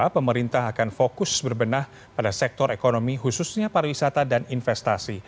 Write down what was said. pemerintah akan fokus berbenah pada sektor ekonomi khususnya pariwisata dan investasi